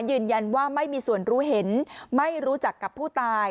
ยืนยันว่าไม่มีส่วนรู้เห็นไม่รู้จักกับผู้ตาย